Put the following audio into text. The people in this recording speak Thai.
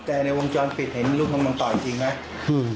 แต่ในวงจรปิดเห็นลูกกำลังต่อยจริงไหม